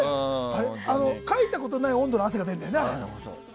かいたことない温度の汗が出るんだよな。